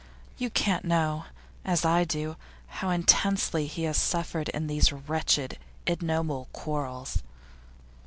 You can't know, as I do, how intensely he has suffered in these wretched, ignoble quarrels.